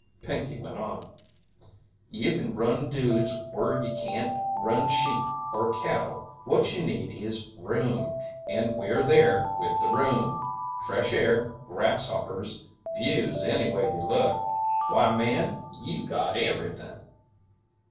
Pinkey went on: "You kin run dudes whur you can't run sheep or cattle. What you need is room and we're there with the room. Fresh air, grasshoppers, views any way you look why, man, you got everything!"